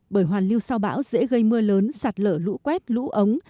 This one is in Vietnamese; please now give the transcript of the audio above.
bởi hoàn lưu sau bão dễ gây mưa lớn sạt lở lũ quét lũ ống